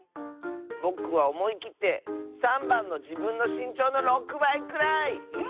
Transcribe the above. ぼくはおもいきって３ばんの「じぶんのしんちょうの６ばいくらい」！